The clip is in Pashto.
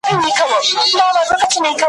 ته وا غل وو طبیب نه وو خدای ېې هېر کړ `